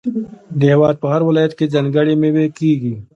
د هیواد په هر ولایت کې ځانګړې میوې کیږي.